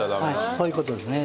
そういう事ですね。